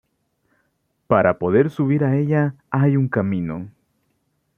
Para poder subir a ella hay un camino.